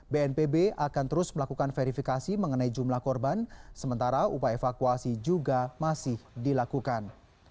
bnpb akan terus melakukan verifikasi mengenai jumlah korban sementara upaya evakuasi juga masih dilakukan